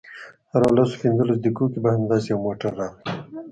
هرو لسو یا پنځلسو دقیقو کې به همداسې یو موټر راغی.